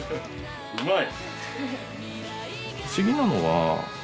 うまい！